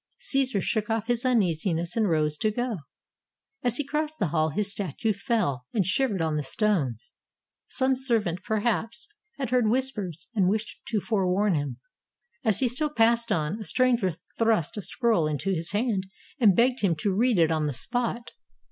Caesar shook off his uneasiness and rose to go. As he crossed the hall, his statue fell, and shivered on the stones. Some servant^ perhaps, had heard whispers, and wished to forewarn him. As he still passed on, a stranger thrust a scroll into his hand, and begged him to read it on the spot.